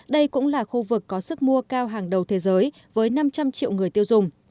đây cũng là khu vực có sức mua cao hàng triệu